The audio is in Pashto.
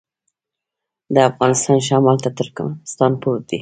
د افغانستان شمال ته ترکمنستان پروت دی